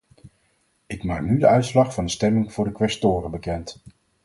Ik maak nu de uitslag van de stemming voor de quaestoren bekend.